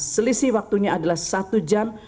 selisih waktunya adalah satu jam